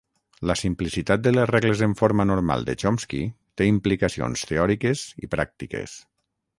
La simplicitat de les regles en forma normal de Chomsky té implicacions teòriques i pràctiques.